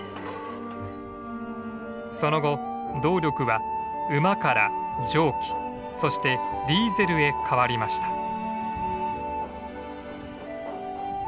その後動力は馬から蒸気そしてディーゼルへ変わりました。